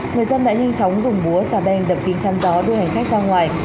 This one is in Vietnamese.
người dân đã nhanh chóng dùng búa xà bèn đậm kính chăn gió đưa hành khách ra ngoài